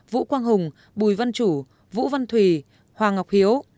vũ quang hùng bùi văn chủ vũ văn thủy hoàng ngọc hiếu